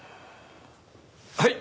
はい。